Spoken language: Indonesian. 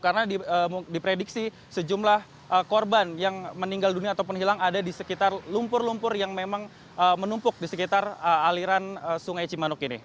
karena diprediksi sejumlah korban yang meninggal dunia ataupun hilang ada di sekitar lumpur lumpur yang memang menumpuk di sekitar aliran sungai cimanuk ini